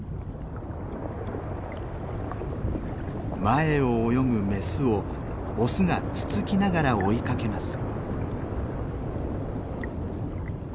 前を泳ぐメスをオスがつつきながら追いかけます。